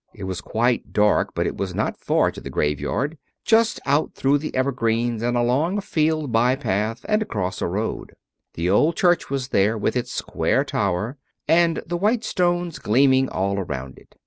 It was quite dark, but it was not far to the graveyard just out through the evergreens and along a field by path and across the road. The old church was there, with its square tower, and the white stones gleaming all around it.